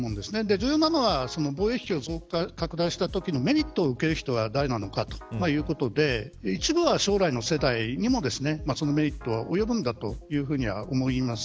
重要なのは防衛費を拡大したときのメリットを受ける人は誰なのかということで一部は、将来の世代にもそのメリットは及ぶんだというふうには思います。